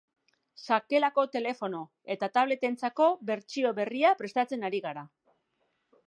Sakelako telefono eta tablet-entzako bertsio berria prestatzen ari gara.